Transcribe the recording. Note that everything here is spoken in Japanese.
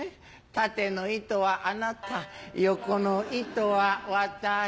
「縦の糸はあなた横の糸は私」。